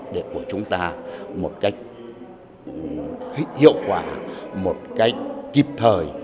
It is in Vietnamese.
để của chúng ta một cách hiệu quả một cách kịp thời